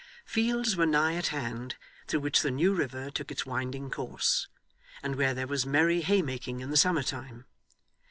Fields were nigh at hand, through which the New River took its winding course, and where there was merry haymaking in the summer time.